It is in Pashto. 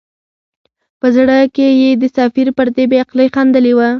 په زړه کې یې د سفیر پر دې بې عقلۍ خندلي وه.